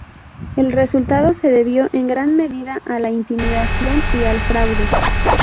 El resultado se debió en gran medida a la intimidación y al fraude.